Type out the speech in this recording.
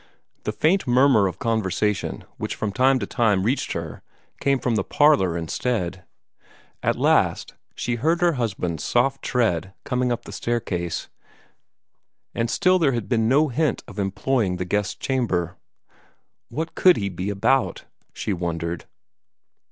The faint murmur of conversation which from time to time reached her came from the parlor instead. At last she heard her husband's soft tread coming up the staircase, and still there had been no hint of employing the guest chamber. What could he be about? she wondered.